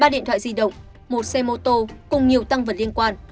ba điện thoại di động một xe mô tô cùng nhiều tăng vật liên quan